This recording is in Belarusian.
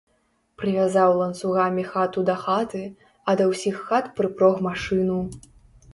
Прывязаў ланцугамі хату да хаты, а да ўсіх хат прыпрог машыну.